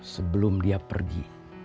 sebelum dia pergi